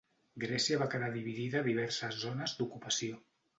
Grècia va quedar dividida a diverses zones d'ocupació.